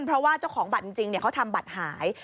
เพราะว่าเจ้าของบัตรจริงเขาทำบัตรหาย